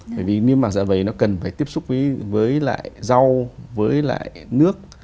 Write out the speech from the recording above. bởi vì niêm mạc dạ vầy nó cần phải tiếp xúc với lại rau với lại nước